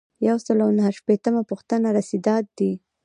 یو سل او نهه شپیتمه پوښتنه رسیدات دي.